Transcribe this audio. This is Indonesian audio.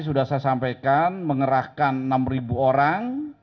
sudah saya sampaikan mengerahkan enam orang